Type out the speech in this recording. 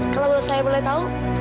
kalau saya boleh tau